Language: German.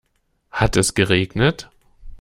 Hat es geregnet?